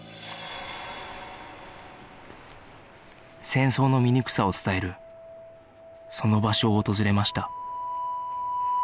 戦争の醜さを伝えるその場所を訪れました